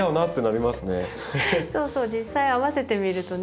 そうそう実際合わせてみるとね。